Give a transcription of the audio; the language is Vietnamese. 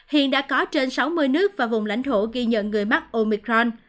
hiện đã có trên sáu mươi nước và vùng lãnh thổ ghi nhận người mắc omicron